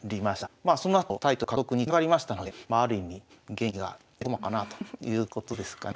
まあそのあとタイトル獲得につながりましたのである意味元気が出た駒かなということですかね。